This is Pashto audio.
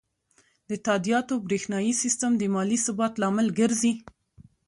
د تادیاتو بریښنایی سیستم د مالي ثبات لامل ګرځي.